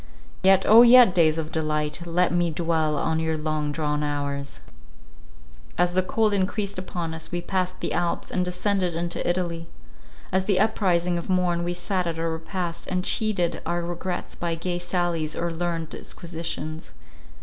Yet, O yet, days of delight! let me dwell on your long drawn hours! As the cold increased upon us, we passed the Alps, and descended into Italy. At the uprising of morn, we sat at our repast, and cheated our regrets by gay sallies or learned disquisitions.